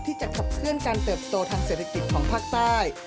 ที่จะขับเคลื่อนการเติบโตทางเศรษฐกิจของภาคใต้